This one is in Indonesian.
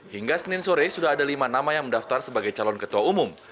hingga senin sore sudah ada lima nama yang mendaftar sebagai calon ketua umum